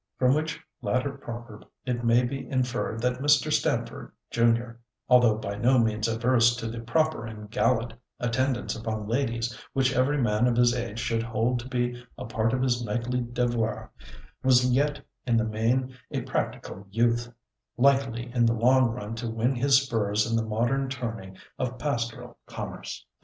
'" From which latter proverb, it may be inferred that Mr. Stamford, junior, although by no means averse to the proper and gallant attendance upon ladies which every man of his age should hold to be a part of his knightly devoir, was yet in the main a practical youth, likely in the long run to win his spurs in the modern tourney of pastoral commerce.